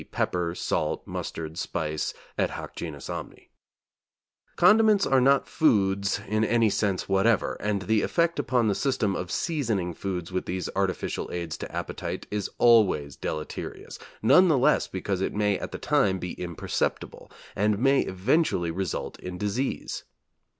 _, pepper, salt, mustard, spice, et hoc genus omni. Condiments are not foods in any sense whatever, and the effect upon the system of 'seasoning' foods with these artificial aids to appetite, is always deleterious, none the less because it may at the time be imperceptible, and may eventually result in disease.